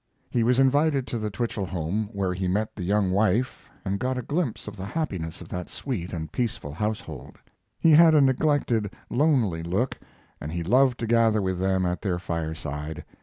He was invited to the Twichell home, where he met the young wife and got a glimpse of the happiness of that sweet and peaceful household. He had a neglected, lonely look, and he loved to gather with them at their fireside.